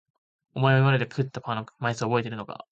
おまえは今まで食ったパンの枚数をおぼえているのか？